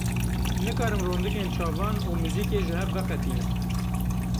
Nikarim rondikên çavan û muzîkê ji hev veqetînim.